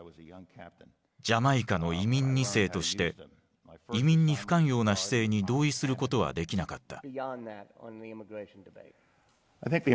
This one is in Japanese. ジャマイカの移民２世として移民に不寛容な姿勢に同意することはできなかった。